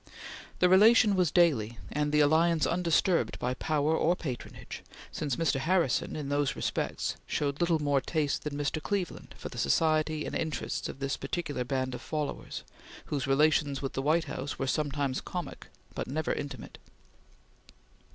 The relation was daily, and the alliance undisturbed by power or patronage, since Mr. Harrison, in those respects, showed little more taste than Mr. Cleveland for the society and interests of this particular band of followers, whose relations with the White House were sometimes comic, but never intimate.